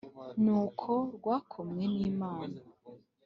Nuko rwakomwe n`Imana